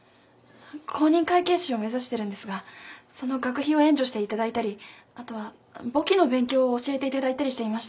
公認会計士を目指してるんですがその学費を援助していただいたりあとは簿記の勉強を教えていただいたりしていました。